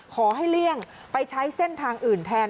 เลี่ยงไปใช้เส้นทางอื่นแทน